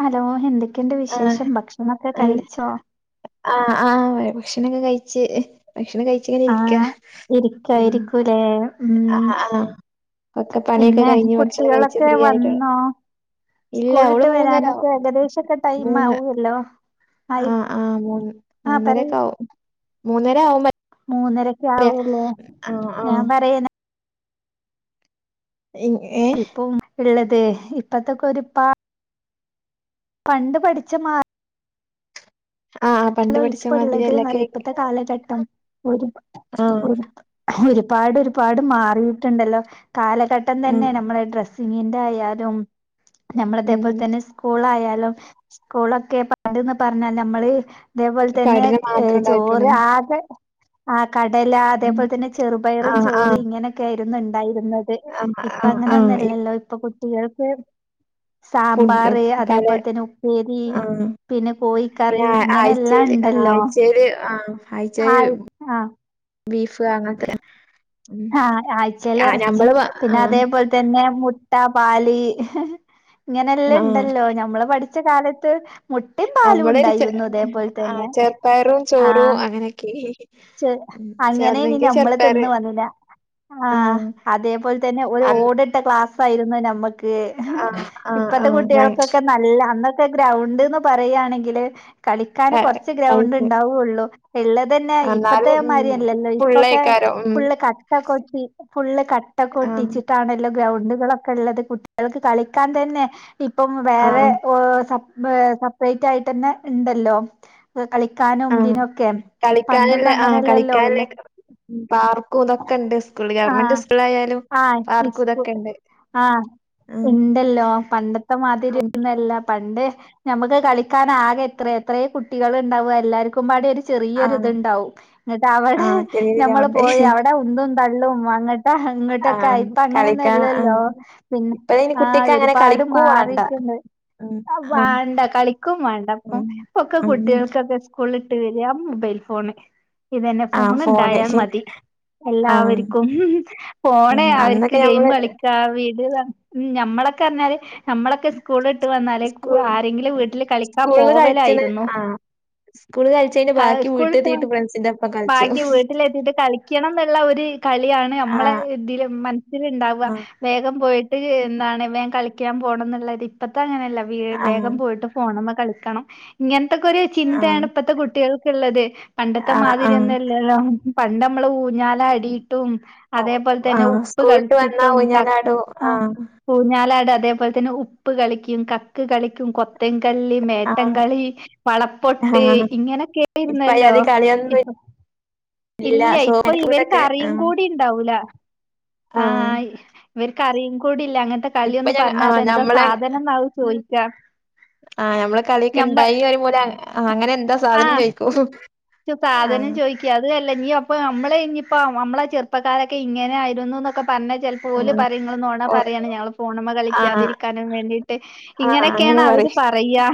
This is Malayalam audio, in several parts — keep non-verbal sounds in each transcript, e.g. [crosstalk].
ഹലോ എന്തൊക്കെയുണ്ട് ആഹ് വിശേഷം ഭക്ഷണമൊക്കെ കഴിച്ചോ ആ ആ ഭക്ഷണൊക്കെ കഴിച്ച് ഭക്ഷണം കഴിച്ച് ഇങ്ങനെ ആ ഇരിക്ക, മ് മ് പണിയൊക്കെ പിന്നെ കഴിഞ്ഞ് ഭക്ഷണം കഴിച്ച് കുട്ടികളൊക്കെ ഫ്രീ ആയിട്ട് വന്നോ ഇല്ല സ്കൂൾ അവള് വിട്ട് മൂന്നര വരാനൊക്കെ ആവും ഏകദേശൊക്കെ ടൈം ആവുല്ലോ. ആ ആ മൂന്ന് ആ പറയ് മൂന്നരൊക്കെ ആവും. മൂന്നര ആവുമ് മൂന്നരക്കെ ആവൂല്ലേ ഞാൻ ആഹ് പറയനെ ഞ് ഏ അതെ ഇപ്പത്തക്കെ ഒരു പാ പണ്ട് പഠിച്ച മാ ആഹ് പണ്ട് ഹലോ പഠിച്ച മാതിരി ഇപ്പള്ളത്‌ അല്ല കേ എന്നറിയാ ഇപ്പത്തെ കാലഘട്ടം ഒരു ആഹ് ഒരു ഒരു പാട് ഒരുപാട് മാറിയിട്ടുണ്ടല്ലോ. കാലഘട്ടം ഉം തന്നെ നമ്മള ഡ്രസ്സ് [unintelligible] ന്റെ ആയാലും നമ്മള ഉം അതേപോലെ തന്നെ സ്കൂൾ ആയാ സ്കൂളൊക്കെ പണ്ട്ന്ന് പറഞ്ഞാൽ നമ്മള് അതേപോലെ തന്നെ പഠനം ഏ മാത്രം ചോറ് ഉണ്ടായിട്ടുള്ളേ ആകെ ആ കടല അതേപോലെ തന്നെ ചെറുപയറും ആഹ് ചോറും ആഹ് ഇങ്ങനെക്കെ ആയി റ്റ്ന്ന്ണ് ഉണ്ടായിരുന്നത് ആഹ് ഇപ്പ ആഹ് അങ്ങനെ ആഹ് ഈ ഒന്നുംല്ലല്ലോ ഇപ്പൊ [unintelligible] ഫുഡ് സാമ്പാറ് പല അതേപോലെ തന്നെ ഉപ്പേരി പിന്നെ കോഴിക്കറി ഇങ്ങനെ ശെരി ആയിച്ചെല് ആ ആയിച്ചെൽ ആയി ആ ബീഫ് അങ്ങനത്തെ ആ ആഴ്ച്ചെൽ ആ എറച്ചി ഞമ്മള് വ പിന്നെ ആഹ് അതേപോലെ തന്നെ മു മുട്ട, പാല് ഇങ്ങനെല്ലാം ഇണ്ടല്ലോ മ്മള് പഠി കുച്ച കാലത്ത് മുട്ടയും പാലും നമ്മളൊരുെ ചെ ഉണ്ടായിരുന്നു ഇതേപോലെ ആ തന്നെ ചെറുപ്പയറും ചോറും ആഹ് അങ്ങനൊക്കെ ചെ മ് ചന്നെങ്കി ചെറുപ്പയറ് ആ ആഹ് അതേപോലെ തന്നെ ഒരു അന്ന് ഓട് ട്ട ക്ലാ ആഹ് [unintelligible] ആഹ് ഇപ്പത്തെ ആഹ് ഞാൻ കുട്ടികൾക്കൊക്കെ നല്ല അന്ന ത്തെ ഗ്രൗണ്ട്ന്ന് പറയ് യാണെങ്കില് കളിക്കാൻ കുറച്ച് ഗ്രൗണ്ട് കഴിക്കും ഉണ്ടാവുള്ളു ഉള്ളത് തന്നെ എന്നാലും ഇപ്പത്തെ ഉം മാതിരി അല്ലല്ലോ ഇപ്പൊക്കെ ഫുള്ളേക്കാരം ഉം ഫുള്ള് ക്കാ കൊട്ടി ഫുള്ള് ആഹ് കട്ടക്കൊട്ടിച്ചിട്ടാണല്ലോ ഗ്രൗണ്ട് കുട്ടികളൊക്കെ ഉള്ളത് കുട്ടികൾക്ക് കളിക്കാൻ തന്നെ ഇപ്പം വേറെ ആഹ് ഓ സ ബ് സപ്രേറ്റായിട്ട് തന്നെ ഇണ്ടല്ലോ കളിക്കാനും ആഹ് ഇതിനും ക്കെ കളിക്കാനില്ല പണ്ടൊന്നും ആഹ് അങ്ങനെയല്ലല്ലോ കളിക്കാനില്ല അല്ലേ പാർക്കും ഇതൊക്കെ ഉണ്ട് സ്കൂളിൽ ആ ഗവൺമെന്റ് സ്കൂളായാലും ആ പാർക്കും ഇതൊക്കെ ഉണ്ട് ആ ഉം ഇണ്ടല്ലോ പണ്ടത്തെ ഉം മാതിരിന്നല്ലാം പണ്ട് നമക്ക് കളിക്കാൻ ആകെ എത്ര എത്രയ കുട്ടികൾ ഇണ്ടാവ എല്ലാർക്കും പാടെ ഒരു ചെറിയൊര് ആഹ് ഇത്ണ്ടാവും എന്നിട്ട് അവടെ ആഹ് ചെറിയ ഞമ്മള് ഗ്രൗണ്ട് പോയി അവ ഉന്തും തള്ളും അങ്ങ ആ ഇങ്ങോട്ടൊക്കെ ആഹ് ആയി ഇപ്പ അങ്ങന ഒന്നും കളിക്കാൻ ഇല്ലല്ലോ ആഹ് പിന്നെ ഇപ്പഴയ്ന് ആ കുട്ടിക്ക് അങ്ങനെ ഒരുപാട് കളിക്കും വാണ്ട മാറിട്ടുണ്ട് ഉം ആഹ് വേണ്ട കളിക്കും വേണ്ട ഇപ്പം ഉം ഇപ്പൊക്കെ ഉം കുട്ടികൾക്കൊക്കെ സ്കൂളിൽ ട്ട് വര്കാ മൊബൈൽ ഫോണ് ഇത് തന്നെ ആഹ് ഫോൺ ഫോണ് ഇണ്ടയാമതി ആഹ് എല്ലാവർക്കും ഫോൺ ഉം അവർക്ക് അന്നൊക്കെ ഗെയിം ഞമ്മള് കളിക്ക വീട്ടിൽ തീ ഉം ഞമ്മളൊക്കെറഞ്ഞാല് നമ്മളൊക്കെ സ് സ്കൂൾ വിട്ട് വന്നാലേ സ്കൂൾ ആരെങ്കിലും വീട്ടിലേക്ക് കളിക്കാൻ സ്കൂളില് കളിച്ച്ണ് പോവല്ലായിരുന്നു ആഹ് സ്കൂള് കളിച്ചേന്റെ ക ബാക്കി സ്കൂൾ വിട്ട് വ വീട്ടെത്തീട്ട് ഫ്രണ്ട്സിന്റെ ഒപ്പം കളിച്ചു ബാക്കി വീട്ടിൽ എത്തി കളിക ള്ള ഒര് കളിയാണ് അമ്മളെ ആഹ് ഇതീൽ മ്മനസ്സില്ണ്ടാവാ ആഹ് വേഗം പോയിട്ട് എന്താണ് വേ കളിക്കാൻ പോണംന്ന്ള്ളരു ഇപ്പത്തങ്ങന ല്ല വ്യാ ആഹ് വേഗം പോയിട്ട് ഫോണ്മ്മ കളിക്കണം ഇങ്ങൻ ത്തക്കൊരു ആഹ് ചിന്തേണ് ഇപ്പത്തെ കുട്ടിക്കൾ ഇള്ളത് പണ്ടത്തെ ആഹ് മാതിരി ആഹ് ഒന്നും അല്ലല്ലോ പണ്ടമ്മൾ ഊഞ്ഞാ ല്ലാടീട്ടും അതേപോൽതന്നെ ആഹ് ഉപ്പ് സ്കൂള്ട്ട് വന്നാ കൾച്ചിട്ടും അക്ക ഊഞ്ഞാലാടും ആ ആഹ് ഉഞ്ഞാലാടാ തെ പോൽതന്നെ ഉപ്പ് കളിക്കും കക്ക് കളിക്കും കൊത്തങ് കല്ല് ആഹ് മേട്ടംകളി വളപ്പൊട്ട് ആഹ് ഇങ്ങനെക്കേയ്ര്ന്നല്ലോ ഇപ്പയ്യാതി കളിയൊന്നും ഇപ്പ ഇല്ല ഇല്ല്യ ഇപ്പ സോപ്പിന്റെ ഇവര് കൂടൊക്കെ അറിയും ആഹ് കൂടി ഇണ്ടാവൂല ആഹ് കറിയും കൂടി ഇപ്പൊ ഞങ് ആ ഞമ്മളെ സാധനംന്നാവും ചോയിക്കാ ആ ഞമ്മള കളിയൊക്കെ ഞമ്മ ഇണ്ടായി പറയുമ്പോ ഓര ആ അങ്ങനെ എന്താ സാധനം ആഹ് ചോയിക്കൂ സാധനം ചോദിക്കുക അതുവല്ല നീ അപ്പ നമ്മളെ ഇനീപ്പോ അമ്മളെ ചെറുപ്പക്കാരൊക്കെ ഇങ്ങനെ ആയിരുന്നൂന്നൊക്കെ പറഞ്ഞ ചിലപ്പോ ഓല് ആഹ് പറയും ഇങ്ങള് നൊണ ഓ പറയാണ് ഞങ്ങള് ഫോണിമ്മ ആഹ് കളിക്കാതിരിക്കാനും വേണ്ടീട്ട്, ആഹ് ഇങ്ങനെയൊക്കെയാണ് അങ്ങനെ അവര് പറയും പറയാ.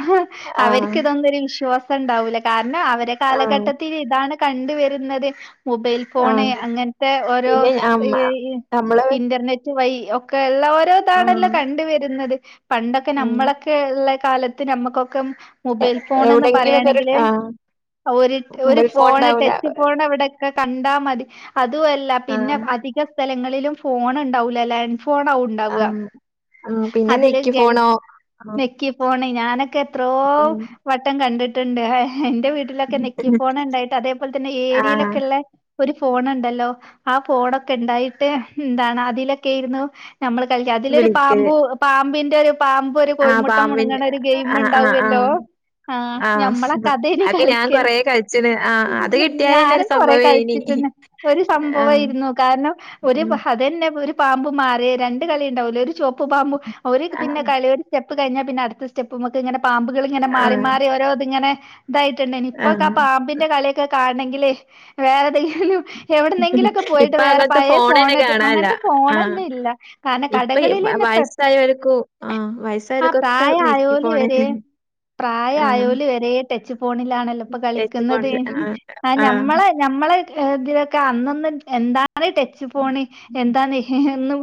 ആഹ് അവര്ക്ക് ഇതൊന്നൊരു വിശ്വാസ ണ്ടാവൂല ആഹ് കാലഘട്ടത്തില് ഇതാ താണ് കണ്ട് വര്ന്നത് മൊബൈൽ ഫോണ് ആഹ് അങ്ങൻത്തെ ഓരോ പിന്നെ അമ്മ നമ്മള് ഇന്റർനെറ്റ് വയ് ഒക്കെ ഇള്ള ഓരോതാണല്ലോ ആഹ് കണ്ട് വര്ന്നത് പണ്ടൊക്കെ ഉം നമ്മളൊക്കെ ഇള്ളെ കാലത്ത് നമ്മക്കൊക് കം എ മൊബൈൽ ഫോണ്ന്ന് എവിടെങ്കിലൊക്കെ ഒരു പറയാണെങ്കില് ആഹ് ഒരു ഒരു മൊബൈൽ ഫോൺ ഫോണ് ഉണ്ടാവൂല ടച്ച് ഫോണ് എവിടെക്കെ ക കണ്ടാ മതി അതുവല്ല പിന്നെ ആഹ് അധികം സ്ഥലങ്ങളിലും ഫോൺ ഇണ്ടാവൂല ലാൻഡ് ഫോണാവും ഇണ്ടാവ്വാ ആഹ് ആഹ് പിന്നെ അതില് നെക്കി ഗൾ ഫോണോ ആഹ് ഞെക്കി ഫോണ് ഞാനക് ക്കെ എത്രോ ഉം വട്ടം കണ്ടിട്ട് ട്ടിണ്ട് എന്റെ വീട് ക്കെ നെക്കി ഫോണ് ഇണ്ടായിട്ട് അതേപോലത്തന്നെ ആഹ് ഏരിയലൊക്കെള്ള ഒരു ഫോൺ ഇണ്ടല്ലോ ആ ഫോണൊക്കെ ഇണ്ടായിട്ട് എന്താണ് അതിലൊക്കെ ആയിരുന്നു നമ്മള് കളിക്കാ അതിലൊരു വിളിക്കല് പാമ്പു പാമ്പി [inaudible] പാമ്പൊരു ആഹ് കോഴിമുട്ട പാമ്പിന്റെ മുണ്ങ്ങണ ഒരു ഗെയിം ആഹ് ആഹ് ഇണ്ടാവുവല്ലോ ആഹ് ആഹ് ഞമ്മളക്കെ അതേനു അതൊക്കെ ഞാൻ കളിക്കല് കൊറേ കളിച്ച്ണ് ആഹ് അത് കിട്ടിയാലെന്നെ ഒരു ഞാനും കൊറെ സംഭവേനി കളിച്ചിട്ടന്നെ ഒരു ആ, സംഭവായിരുന്നു കാരണം ഒരു അതന്നെ ഒരു പാമ്പ് മാറി രണ്ട് കളി ഇണ്ടാവൂല്ലേ ഒരു ചോപ് പ്പ് പാമ്പ് ഒരു ആ, ആ, പിന്നെ കളി ഒരു സ്റ്റെ പ്പ് കഴിഞ്ഞാപ്പിന്നെ അട്ത്ത സ്റ്റെപ്പ്മ്മക്ക് ഇങ്ങനെ പാമ്പ്കൾ ഇങ്ങനെ ആ. മാറി മാറി ഓരോ ഇത് ഇങ്ങനെ ദായി [unintelligible] ഇപ്പൊക്ക ആ പാമ്പിന്റെ കളിയൊക്കെ കാൺ ണെങ്കില് വേറെതെങ്കി- ഹലോ എവ്ട്ന്നെങ്കിലൊക്കെ പോയിട്ട് ഇപ്പൊ വേറെ അങ്ങനത്തെ പയേ ഫോണെന്നെ ഫോണ്ത്ത് കാണാല്ല അങ്ങനത്തെ ആ ഫോണന്നെല്ല കാരണം ഇപ്പൊ ഈ വ- കടകളിൽന്ന്പ്പ വയസ്സായവർക്കും ആ ആ വയസ്സായവർക്കൊക്കെ നെക്കി പ്രായായോല് വരെ ഫോണെന്നെ ആ പ്രായായോല് വരെ ടച്ച് ഫോണിലാണല്ലോ പ്പ ടച്ച് ഫോൺ കളിക്ക്ന്നത് ആ ആഹ് ആ ഞമ്മളെ ഞമ്മളെ ഏ ഇതിലൊക്കെ അന്നന്ന് എന്താ ണ് ടച്ച് ഫോണ് എന്താന്നെ ഹെ ഒന്നും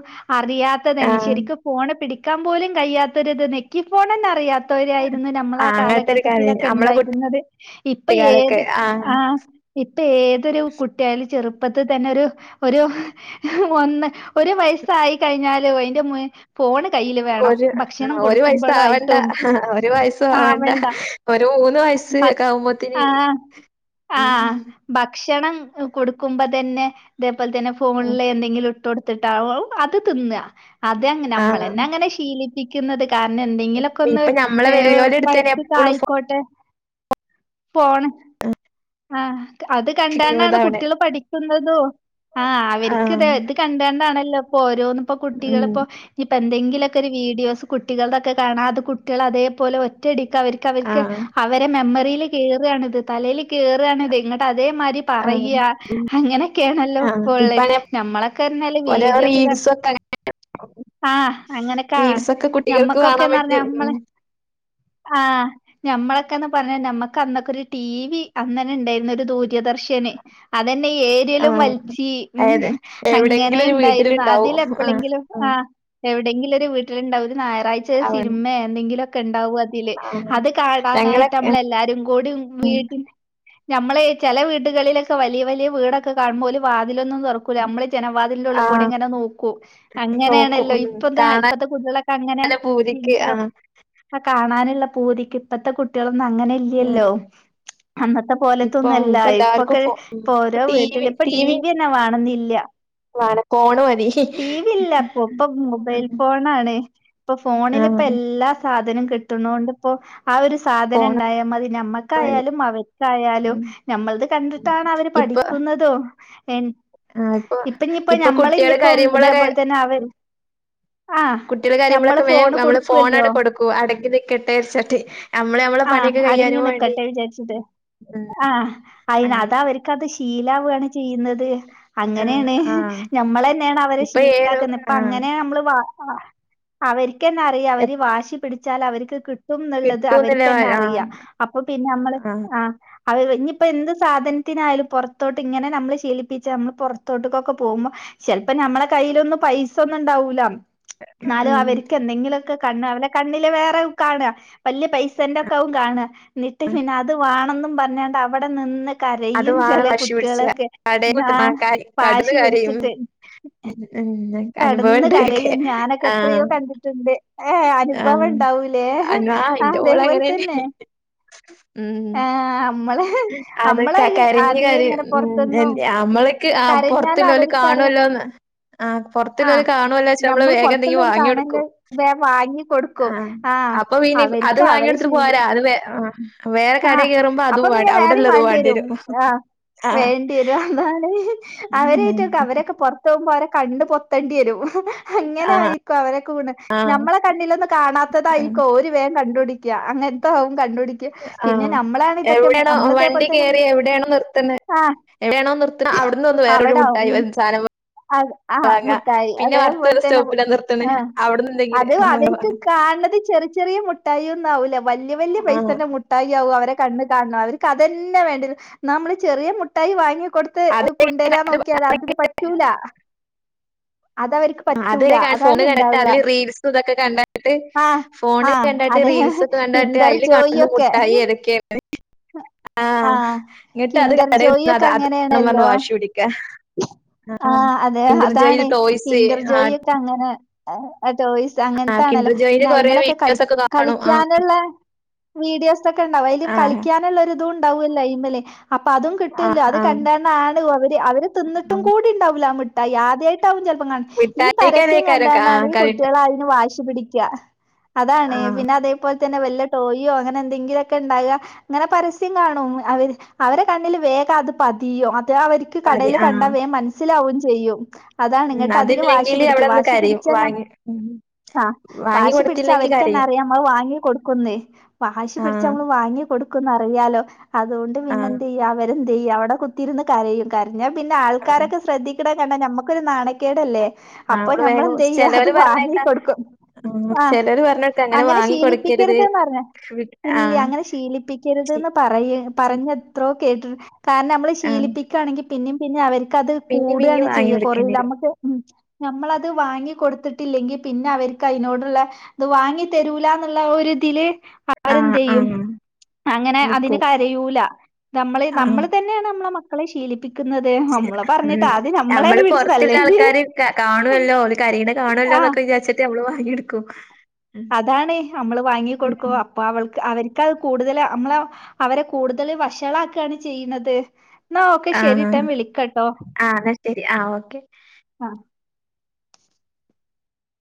ആ അറിയാത്തതാണ് ശെരിക്ക് ഫോണ് പിടിക് ക്കാൻ പോലും കയിയാതൊര് നെക്കിഫോണെന്നെ അറിയ ത്തോരായിരുന്നു നമ്മളെ ആ അങ്ങനത്തെ ഒരു കാര്യം നമ്മളെ കാലഘട്ടത്തിലൊക്കെണ്ടായിരുന്നത്. ഇപ്പൊ ഏത് ആ ഇപ്പൊ ഏതൊരു കുട്ടിയാലും ചെറുപ്പത്തി തന്നെ ഒരു ഒരു ഒന്ന്‌ ഒരു വയസായി കഴിഞ്ഞാല് ഐന്റെ മെ ഫോണ് കയ്യില് വേണം ഒരു ഭക്ഷണം ആ ഒരു വയസാവണ്ട കൊടുക്കുമ്പളായിട്ടും ഒരു വയസാവണ്ട ആവണ്ട ഒരു മൂന്ന് ഭക്ഷ വയസക്കാവുമ്പ ആഹ് ആഹ് ആ ഭക്ഷ് ഭക്ഷണം കൊട്ക്കുമ്പ തന്നെ ത പ്പത്തന്നെ ഉം, ഫോണിലെന്തങ്കിലു കൊടുത്ത്ട്ടാവും അത് തിന്നാ അതെങ്ങനെ ആ നമ്മളെന്നങ്ങനെ ശീലി പ്പിക്കുന്നത് കാരണം എന്തെങ്കിലൊക്കൊന്ന് ഇപ്പൊ നമ്മളെ ഏ വലിയോരെ അടുത്ത് തന്നെ എപ്പോഴും പൈപ്പ്‌കായിക്കോട്ടെ ഫോണ് ആ അത് ഫോൺ കണ്ടാണ്ടാണ് ഇതാവണേ കുട്ട്യള് പഠിക്കുന്നതും ആ അവര്ക്ക് ആ ഇത് കണ്ടാണ്ടാണ ല്ലപ്പോര് ഓരോന്ന്പ്പോ കുട്ടികള്പ്പോ ഉം. ഇപ് ഇപ്പൊ എന്തെങ്കിലൊക്കെ ഒരു വീഡിയോസ് കുട്ടികളതൊക്കെ കാണാ അത് കുട്ട്യള് അതേപോലെ ഒറ്റടിക്ക് ആ. അവര്ക്കഅവര്ക്ക് അവരെ മെമ്മറിൽ കേറാണത് തലേല് കേറാണ്ത് ന്നട്ട് അതേമാതിരി ആ. പറയാ ഉം. അങ്ങനെക്കെണല്ലോ ആ. ഇപ്പോള് ഇപ്പഴേ ഞമ്മളൊക്കെറഞ്ഞാല് ഓരോ വീഡിയോക്കെകണ്ട് റീൽസൊക്കെ ആ അങ്ങനെക്കാണ് റീൽസൊക്കെ കുട്ടികൾക്ക് കാണാൻ ഞമ്മക്കൊക്കെന്നറഞ്ഞാ പറ്റും. ഉം. ഞമ്മള് ആ ഞമ്മളൊക്കെന്ന് പറഞ്ഞ നമ്മക്കന്നൊക്കൊര് ടി വി അങ്ങനെണ്ടായിരുന്നൊരു ദൂര ദൂരദർശന് അതന്നെ ആ. ഏരിലും വലച്ചി മ്മ് അതെ. എവിടെയെങ്കിലും ഒരു അങ്ങനനേണ്ടായിരുന്നു വീട്ടിലുണ്ടാവും. ആ. അതിലെപ്പളേങ്കിലും ആ എവിടെങ്കി വീട്ടിലുണ്ടാവും ഒരു ഞ്ഞാ കഴിച്ച അവ സിനിമയാ എന്തെങ്കിലൊയൊക്കെ ഉണ്ടാവും അതില് ആ. അത് കാണാനായിട്ട് ഞങ്ങളൊക്കെ നമ്മളെല്ലാരും കൂടി ഉം. വീടിൽ ഞമ്മളെ ചില വീടുകളിലൊക്കെ വലിയ വലിയ വീടൊക്കെ കാണുമ്പോലും ഓല് വാതിൽ അതിലൊന്നും തുറക്കൂല്ലാ നമ്മളെ ജനവാദലിന്റെ ആ. ഉള്ളിൽ കൂടെ ഇങ്ങനെ നോക്കൂ നോക്കും. അങ്ങനെയാണല്ലോ ഉം. ഇപ്പത്തെ കാണാൻ ഇപ്പത്തെ കുട്ടികളൊക്കെ അങ്ങനെ നല്ല പൂതിക്ക്. ആ. കാണാനുള്ള പൂതിക്ക് ഇപ്പത്തെ കുട്ടി കുട്ടികളൊന്നും അങ്ങനെ ഉം. ഇല്ലല്ലോ അന്നത്തെ പോലത്തൊന്നും ഇപ്പം അല്ല ഇപ്പ എല്ലാവർക്കും ഇപ്പൊക്ക ഫോ ഇപ്പ ഓരോ വീട്ടിൽ ഇപ്പൊ ടിവി ഒന്നും വേണെന്നില്ല വേണ്ട ഫോണ് മതി. ടി വി ഇല്ല ഇപ്പ ഇപ്പൊ മൊബൈൽ ഉം. ഫോണാണ് ഇപ്പൊ ആ. ഫോണിലിപ്പോ എല്ലാ സാധ അതിന് കിട്ടുന്നൊണ്ടപ്പോ ആ ഒരു സാധനം ഫോണ് ഉണ്ടായാ മതി മതി. ഞമ്മക്കായാലും അവർക്ക് ആയാലും ഉം. ഞമ്മളത് ഉം. കണ്ടിട്ടാണ് അവര് ഇപ്പൊ പഠിക്കുന്നത് എ ആഹ് ഇപ്പൊ ഇപ്പൊ കുട്ടികള് കരയ്പോളൊക്കെ ഇതേപോലെ തന്നെ അവർ ആ കുട്ടികള് ഞമ്മള് കരയുപോളൊക്കെ വേഗം ഫോണ് നമ്മള് കൊടുക്കുവല്ലോ ഫോണ് കൊടുക്കൂ അടങ്ങി നിക്കട്ടെവച്ചിട്ട് നമ്മള് നമ്മളെ ആ പണിയൊക്കെ അടങ്ങി കഴിയാനും വേണ്ടി നിക്കട്ടെ വിചാരിച്ചിട്ട് ആഹ് അയിന് അങ് അതാ അവരിക്ക് അത് ശീലവാണ് ചെയ്യുന്നത് ആഹ് അങ്ങനെയാണ് ആഹ് ഞമ്മള ന്നെയാണ് അവരെ ഇപ്പൊ ഏത് ശീലാക്കുന്നത് ഇപ്പ ആഹ് അങ്ങനെയ നമ്മള് വ ആഹ് അവരി ക്കത്തന്നെ അറിയാ അവിര് എപ് വാശി പിടിച്ചാൽ അവർക്ക് കി കിട്ടുന്നുള്ളത് കിട്ടൂന്നില്ല അവർക്കന്നെ അറിയ ആഹ് അപ്പൊ പിന്നെ മ്മള് ആഹ് അവര് ഇനിയിപ്പോ എന്ത് സാധനത്തിനായാലും പോറത്തോട്ട് ഇങ്ങനെ നമ്മള് ശീലിപ്പിച്ചാ മ്മൾ പോറത്തോട്ടേക്കൊക്കെ പോകുമ്പോ ചിലപ്പോ നമ്മളെ കയ്യിലൊന്നും പൈസ ഒന്നും ഉണ്ടാവൂല എന്നാലും ഉം അവരിക്ക് എന്തെങ്കിലു [unintelligible] കണ്ണ് അവൻ കണ്ണില് വേറെ കാണാ വല്യ പൈസന്റെയൊക്കെയാവും കാണുക ന്നിട്ട് പിന്നെ അത്‌ ആണെന്നും പറഞ്ഞാണ്ട് അവിടെ നിന്ന് അത്‌ കരയും ചെല വേണം വാശിപ്പിടിച്ചാ കുട്ട്യേളൊക്കെ കടയിൽ കുത്തർ ആഹ് ന്നാണ്ട് വാശി കിടന്നുക്കരയും കിടന്ന് കരയും ഞാനൊക്കെ എത്രയോ കണ്ടിട്ടുണ്ട് ഏഹ് അനുഭവം ആഹ് ഉണ്ടാവൂലേ അനു ആഹ് ഇന്റെ മോള് അങ്ങനെന്നെ അതേപോലെത്തന്നെ ആഹ് നമ്മളെ അതൊക്കെ കരഞ്ഞ് കരയും ഉം പൊറത്ത്ന്നും നമ്മളക്ക് ആ കരഞ്ഞാല് പൊറത്ത്ല്ലോൽ അവര്ക്കറിയാ കാണുല്ലോന്ന് ആഹ് പൊർത്തുള്ളവര് ആഹ് കാണുവല്ല വച്ച നമ്മള് ഞമ്മള് വേഗം എന്തെങ്കും പൊറത്തുള്ളോര് കാണല് വാങ്ങിയെടുക്കും വേം വാങ്ങി ആ കൊടുക്കും ആഹ് അപ്പൊ ഇനി അത് അവര്ക്ക് വാങ്ങിയ അവരെ എടുത്തി ശീല പോരാ അത് വ ആ വേറെ കട കയറുമ്പോ അതും വേ വേറെ വേണ്ടി വരും ആ ആഹ് വേണ്ടി വരും അതാണ് അവരായിട്ടൊക്കെ അവരൊക്കെ പുറത്ത് പോകുമ്പോൾ അവരക്കെ കണ്ട് പൊത്തണ്ടി വരും അങ്ങനെ ആഹ് ആയിക്കോ അവരെ കൂണ് ആഹ് നമ്മളെ കണ്ണിലൊന്ന് കാണാത്തതായിക്കോ ഓര് വേ കണ്ടുപടിക്ക അങ്ങൻത്തെ കണ്ടുപിടിക്ക പിന്നെ ആഹ് നമ്മളാണ് ഇതൊക്കെ എവിടെയാണോ നമ്മളിതേപോലെ വണ്ടി തന്നെ കേറി എവിടെയാണോ നിർത്തുന്നെ ആ എവിടെയാണോ നിർത്തുന്നെ അവിടുന്ന് വന്ന് വേറൊരു അവിട മുട്ടായി ഉം വ സാധനം ആ വാങ്ങാ. മുട്ടായി പിന്നെ അതേപോലെ അടുത്തൊരു തന്നെ സ്റ്റോപ്പിലാ നിർത്തുന്നെ ആ അവിടുന്ന് എന്തെങ്കിലും അത് എനിക്ക് കാണത് ചെറിയ ചെറിയ മുട്ടായി ഒ ന്താവുലം വല്ല്യ വല്ല്യ ആഹ് പൈസന്റെ മുട്ട അവരെ കണ്ണ് കാണണം അവർക്ക് അതന്നെ വേണ്ട നമ്മള് ചെറിയ മുട്ടായി വാങ്ങി കൊടുത്ത് അത് കൊണ്ടുവരാൻ നോക്കിയാൽ അതിന് പറ്റൂല അതവർക്ക് പറ്റൂല അതുവരെ ക അതാണ് ഫോണ് കണ്ടിട്ട് ഉണ്ടാവ അതില് റീൽസും ഇതൊക്കെ കണ്ടിട്ട് ആ ആ ഫോണ് കണ്ടിട്ട് അതെ ഇന്റർജോയിയൊ ട്ടായി ഏതൊക്കെ ആ ആഹ് ഇങ്ങിട്ട് അത് കിൻഡർ കടയിൽ ജോയി നിന്ന് ഒക്കെ അ അത്‌ നും പറഞ്ഞ് അങ്ങനെയാണല്ലോ വാശി പിടിക്കാ ആഹ് ആ ആഹ് അതെ കിൻഡർ അതാണ് ജോയില് ടോയ്സ് കിന്റർജോയി ആഹ് ഒക്കെ അങ്ങനെ ആ ടോയ്സ് ആഹ് അങ്ങനത്താണല്ലോ കിൻഡർ ജോയില് പിന്നെ കൊറേ അയ്മലൊക്കെ കള വീഡിയോസൊക്കെ കാണും ആഹ് കളിക്കാനുള്ള വീഡിയോസ് ഒക്കെ ഉണ്ടാവും അതിലും ആഹ് കളിക്കാനുള്ള ഇതുംണ്ടാവല്ലോ ഐമല് അപ്പൊ അതും ആഹ് കിട്ടൂല്ലോ അത് ആഹ് കണ്ടന്നാണ അവര് അവര് എന്നിട്ടും ആഹ് കൂടി ഉണ്ടാവു ല്ല മിട്ടായി ആദ്യായിട്ട് ട്ടാവും ചെലപ്പംകണ്ട് ഈ പരസ്യം മിഠായിക്കടേക്കാരം ആഹ് കണ്ടാണെങ്കിൽ കരണ്ട് കുട്ടികളയ്ന് വാശി ത്ത് പിടിക്ക അതാണ് ആഹ് പിന്നെ അതേപോൽ ത്തെന്നെ വല്ല ടോയോ അങ്ങനെ എന്തെങ്കിലുക്കെ ഉണ്ടാകുക അങ്ങനെ പരസ്യം കാണും അവരെടെ കണ്ണിൽ വേഗം അത് പതിയും താ അവർക്ക് മതി കടൽ കണ്ടാ ആഹ് വേ മനസ്സിലാവും ചെ ചെയ്യും അതാണ് ഉം ഇങ്ങോട്ട് അതിന് വാശി അതില്ലെങ്കില് അവിടെ പിടിക്കും നിന്ന് വാശി കരയും പിടച്ച്ന്ന വാങ്ങി ഉം ആ വാങ്ങി വാശി പിടിച്ച് കൊടുത്തില്ലെങ്കി അവർക്ക്ന്നെ കരയും അറിയാം നമ്മൾ വാങ്ങി കൊടുക്കുന്നേ വാശി പിടിച്ച് ആഹ് നമ്മള് വാങ്ങി കൊടു ക്ക്ന്നു അറിയാലോ അതുകൊണ്ട് ആഹ് പിന്നെന്തതു ചെയ്യ അവര് ചെയ്യ അവിടെ കുത്തിരുന്ന് കരയും കരഞ്ഞാ പിന്നെ ആഹ് ആൾക്കാരൊക്കെ ശ്രദ്ധിക്കും ണ കണ്ട നമ്മുക്ക് ഒരു നാണക്കേടല്ലേ ആഹ് അപ്പൊ അവള് വേഗം ഞമ്മളെന്തയ്യ അത് ചെലോര് പറഞ്ഞേക്കാ വാങ്ങി കൊടുക്കും ഉം ആ ചെലര് പറഞ്ഞേക്കാ അങ്ങനെ വാങ്ങി കൊടുക്കരുത് ശീലിപ്പിക്കരുത് ന്ന് പറഞ്ഞ ഇല്ല്യ ആഹ് അങ്ങനെ ശീലിപ്പിക്കരുത് ചി ന്ന് പറയ ചി പറഞ്ഞ് എത്രോ കേട്ട്ണ് കാരണം നമ്മള് ആഹ് ശീലിപ്പിക്കാണെങ്കിൽ പിന്നിം പിന്നെ അവർ ക്കത് പിന്നിം പിന്നിം കൂടാണ് വാങ്ങി ചെയ്യ കൊടുക്കേണ്ടി കൊറയൂല്ല വരും നമ്മക്ക് ഉം ഞമ്മളത് വാങ്ങി കൊടുത്തിട്ടില്ലെങ്കിൽ പിന്നെ അവർക്ക് അതിനോടുള്ള ഇത് വാങ്ങി തരൂല എന്നുള്ള ഒരു ഇതില് ആഹ് അവരെന്തയ്യും ആഹ് അങ്ങനെ അതിന് നിക്കും കരയൂല നമ്മള് നമ്മൾ ആഹ് തന്നെയാണ് നമ്മളെ മ ക്കളെ ശീലിപ്പി ഉം നമ്മള് പിടിച്ച് പൊറത്തുള്ള തല്ലേണ്ടത്. ആൾക്കാാര് കാ കാണുവല്ലോ കരീണ കാണല്ലോ ആഹ്. എന്നൊക്കെ വിചാരിച്ചിട്ട് നമ്മള് ങ്ങിയൊടുക്കും അതാണ് നമ്മള് വാങ്ങി കൊടുക്കുവ അപ്പൊ അവൾ അവർക്ക്ത് കൂടുതൽ നമ്മള അവരെ കൂടുതൽ വഷളാക്കാണ് ചെയ്യണത് എന്നാ ഓക്കെ ആഹ് ശരിട്ടാ ഞാൻ വിളിക്കാട്ടോ ആ എന്നാ ശരി ആഹ് ഓക്കെ ആ